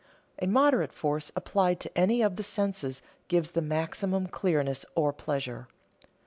A moderate force applied to any of the senses gives the maximum clearness or pleasure.